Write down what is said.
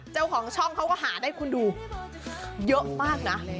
เจ้าของช่องเขาก็หาได้คุณดูเยอะมากนะ